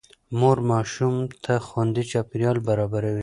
مور ماشوم ته خوندي چاپېريال برابروي.